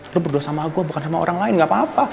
lo berdua sama aku bukan sama orang lain gak apa apa